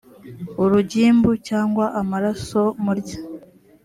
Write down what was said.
urugimbu cyangwa amaraso murya